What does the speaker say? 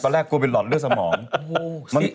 แรกกลัวเป็นหลอดเลือดสมอง